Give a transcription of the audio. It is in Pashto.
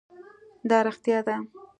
دا رښتيا ده؟